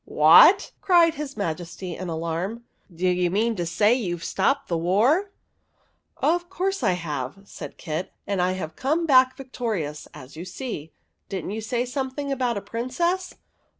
"What!" cried his Majesty, in alarm. " Do you mean to say you 've stopped the war ?"" Of course I have," said Kit. " And I have come back victorious, as you see. Did n't you say something about a Princess